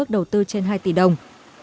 đầu tư trên hai tỷ đồng